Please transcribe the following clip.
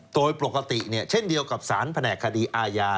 โดยปกติเช่นเดียวกับสารแผนกคดีอาญา